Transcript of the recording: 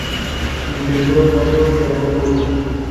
Intentó en otros pero no pudo.